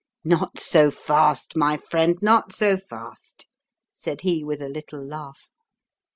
"Not so fast, my friend, not so fast," said he with a little laugh.